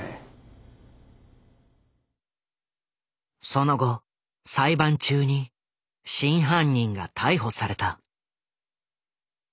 その後裁判中に真犯人が逮捕された。